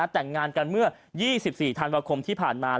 แต่งงานกันเมื่อ๒๔ธันวาคมที่ผ่านมา